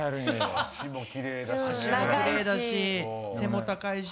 足もきれいだし背も高いし。